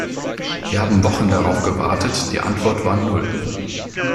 Wir haben Wochen darauf gewartet, die Antwort war null.